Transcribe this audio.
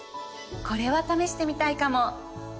これは試してみたいかも！